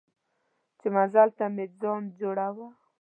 چې مزل ته مې ځان جوړاوه.